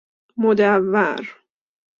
مدور